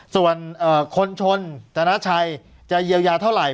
ส่วนคนชนธนาชัยจะเยียวยาเท่าไหร่